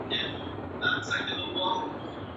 انجینري پوهنځۍ سمدلاسه نه تطبیقیږي.